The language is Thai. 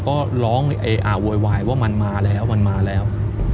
ก็ร้องโวยวายว่ามันมาแล้วมันมาแล้ว